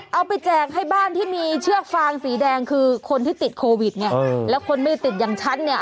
แจกให้บ้านที่มีเชือกฟางสีแดงคือคนที่ติดโควิดไงแล้วคนไม่ติดอย่างฉันเนี่ย